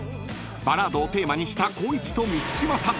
［バラードをテーマにした光一と満島さん］